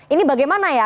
ini bagaimana ya